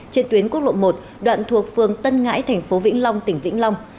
trên tuyến quốc lộ một đoạn thuộc phường tân ngãi thành phố vĩnh long tỉnh vĩnh long